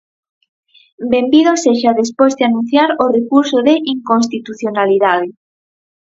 Benvido sexa despois de anunciar o recurso de inconstitucionalidade.